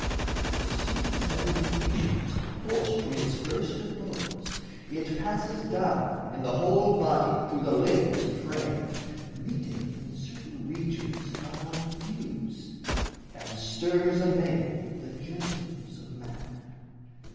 As soon as ever it issues, Forced from its first abodes, it passes down In the whole body through the limbs and frame, Meeting in certain regions of our thews, And stirs amain the genitals of man.